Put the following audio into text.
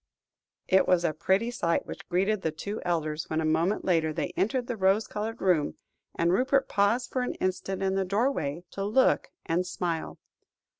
It was a pretty sight which greeted the two elders when, a moment later, they entered the rose coloured room; and Rupert paused for an instant in the doorway, to look and smile.